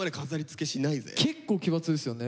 結構奇抜ですよね。